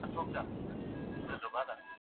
راروان شومه د زړه له ورانه بلخه